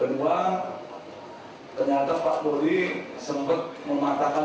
kedua ternyata pak polri sempat mematahkan